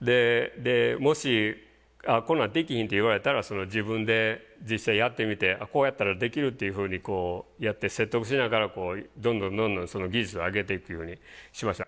でもしこんなんできひんって言われたら自分で実際やってみてこうやったらできるっていうふうにこうやって説得しながらどんどんどんどん技術を上げていくようにしました。